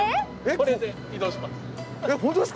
これで移動します。